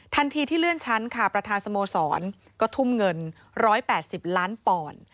ทันทีที่เลื่อนชั้นค่ะประธานสโมสรก็ทุ่มเงิน๑๘๐ล้านปอนด์